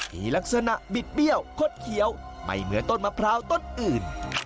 มีลักษณะบิดเบี้ยวคดเขียวไม่เหมือนต้นมะพร้าวต้นอื่น